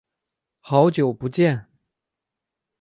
好久不见。